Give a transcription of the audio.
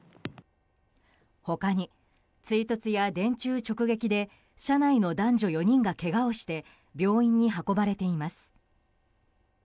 他に、追突や電柱直撃で車内の男女４人がけがをして病院に運ばれています。